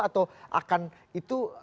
atau akan itu